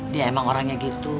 dia emang orangnya gitu